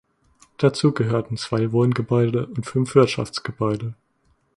Dazu gehörten zwei Wohngebäude und fünf Wirtschaftsgebäude.